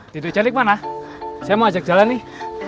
duduk cantik mana saya mau ajak jalan nih